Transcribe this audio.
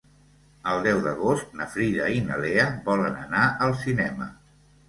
El deu d'agost na Frida i na Lea volen anar al cinema.